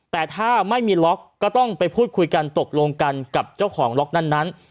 แต่ถ้าไม่มีล็อกก็ต้องไปพูดคุยกันตกลงกันกับเจ้าของล็อกนั้น